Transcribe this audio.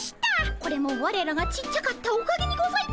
これもわれらがちっちゃかったおかげにございますねぇ。